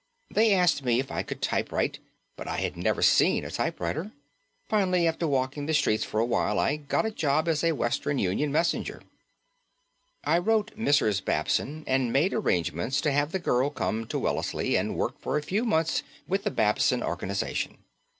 They asked me if I could typewrite, but I had never seen a typewriter. Finally, after walking the streets for a while, I got a job as a Western Union messenger." I wrote Mrs. Babson and made arrangements to have the girl come to Wellesley and work for a few months with the Babson Organization.